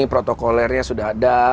protokolernya sudah ada